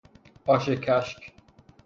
آش کشک